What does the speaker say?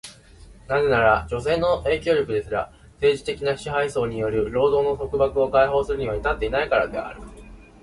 なぜなら、女性の影響力ですら、政治的な支配層による労働の束縛を解放するには至っていないからである。